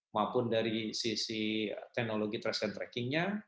maupun dari sisi teknologi trace and trackingnya